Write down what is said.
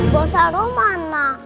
bosa rumah anak